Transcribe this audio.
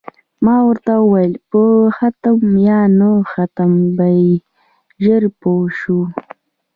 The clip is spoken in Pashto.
ما ورته وویل: په ختم یا نه ختم به یې ژر پوه شو.